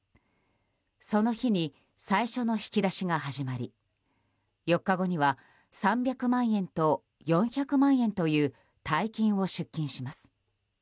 その日に最初の引き出しが始まり４日後には３００万円と４００万円という大金を出金します。